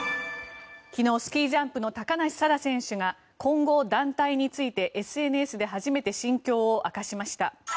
昨日、スキージャンプの高梨沙羅選手が混合団体についてＳＮＳで初めて心境を明かしました。